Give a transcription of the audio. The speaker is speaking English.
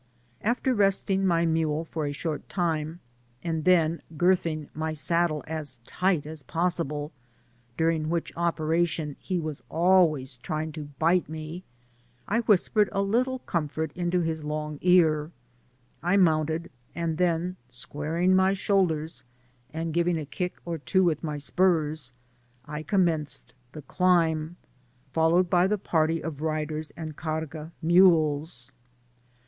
After resting my mule for a short time, and then girthing my saddle as 4ight as possible, during which operation he was always trjdng to bite me, I whispered a little comfort into his long ear ; I mounted, and then squaring my shoulders and giving a kick or two with my spurs, I commenced the dimb, followed by die party of riders and carga mules.